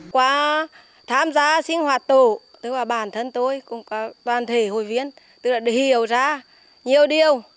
qua tham gia sinh hoạt tổ tức là bản thân tôi cũng có đoàn thể hội viên tức là hiểu ra nhiều điều